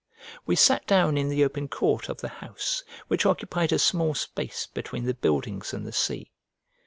We sat down in the open court of the house, which occupied a small space between the buildings and the sea.